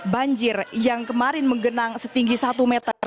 banjir yang kemarin menggenang setinggi satu meter